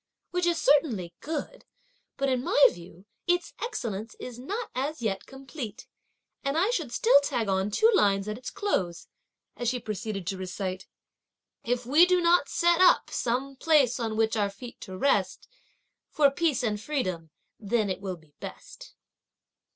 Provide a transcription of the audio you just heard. "Which is certainly good; but in my view, its excellence is not as yet complete! and I should still tag on two lines at its close;" as she proceeded to recite: "If we do not set up some place on which our feet to rest, For peace and freedom then it will be best."